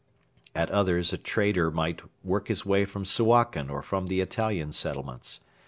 At others a trader might work his way from Suakin or from the Italian settlements.